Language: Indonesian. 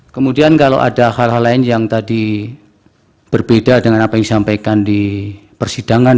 kemudian kalau ada hal hal lain yang tadi berbeda dengan apa yang disampaikan di persidangan